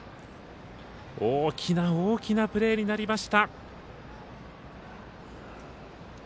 大きな大きなプレーになりました。